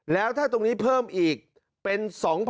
แล้วถ้าตรงนี้เพิ่มอีกเป็น๒๐๐๐